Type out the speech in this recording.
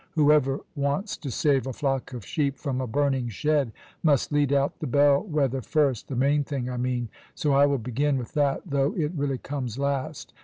Whoever wants to save a flock of sheep from a burning shed must lead out the bell wether first the main thing, I mean so I will begin with that, though it really comes last.